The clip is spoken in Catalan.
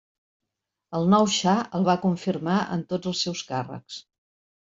El nou xa el va confirmar en tots els seus càrrecs.